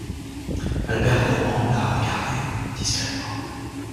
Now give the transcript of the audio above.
Albert Roman la regardait, discrètement.